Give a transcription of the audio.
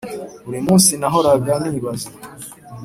buri munsi nahoraga nibaza